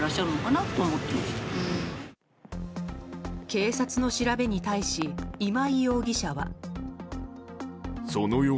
警察の調べに対し今井容疑者は。